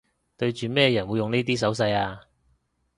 對住咩人會用呢啲手勢吖